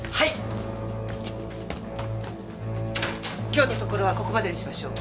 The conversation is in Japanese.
今日のところはここまでにしましょう。